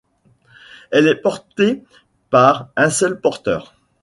Elle est portée par un seul porteur.